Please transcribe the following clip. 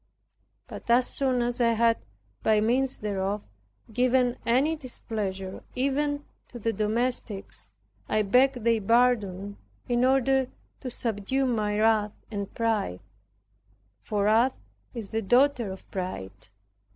But as soon as I had by means thereof, given any displeasure, even to the domestics, I begged their pardon, in order to subdue my wrath and pride; for wrath is the daughter of pride.